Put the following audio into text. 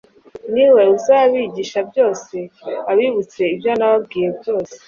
Ni we uzabigisha byose, abibutse ibyo nababwiye byose.”.